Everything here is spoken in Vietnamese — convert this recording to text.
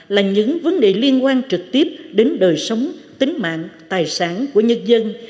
là những vấn đề liên quan trực tiếp đến đời sống tính mạng tài sản của nhân dân